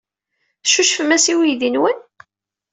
Teccucufem-as i uydi-nwen?